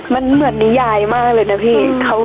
มันเหมือนนิยายมากเลยนะพี่